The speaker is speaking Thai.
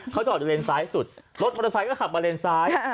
เขาจอดอยู่เลนซ้ายสุดรถมอเตอร์ไซค์ก็ขับมาเลนซ้าย